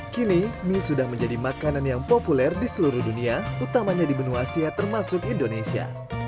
kini mie sudah menjadi makanan yang populer di seluruh dunia utamanya di benua asia termasuk indonesia